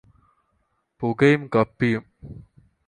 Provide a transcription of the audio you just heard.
പുകയും കപ്പിയും